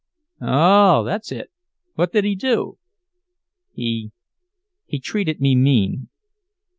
"Oh—that's it. What did he do?" "He—he treated me mean."